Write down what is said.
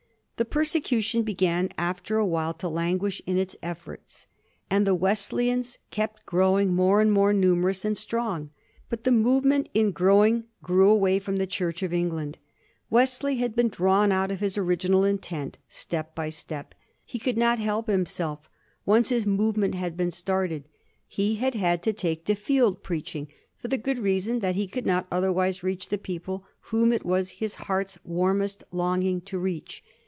The persecution began after a while to languish in its efforts, and the Wesleyans kept growing more and more numerous and strong. But the movement in growing grew away from the Church of England. Wesley had been drawn out of his original intent step after step. He could not help himself, once his movement had been started. He had had to take to field preaching, for the good reason that he could not otherwise reach the people whom it was his heart's warmest longing to reach.